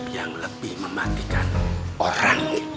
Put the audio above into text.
yang lebih mematikan orang